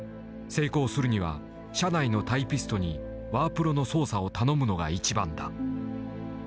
成功するには社内のタイピストにワープロの操作を頼むのが一番だ」。